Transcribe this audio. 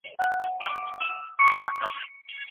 د کلمو په سمه بڼه پوهېدل په املا کي اسانه دي.